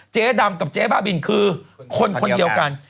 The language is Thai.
เจ๊ดำกับเจ๊บ้าบินคือคนคนเดียวกัน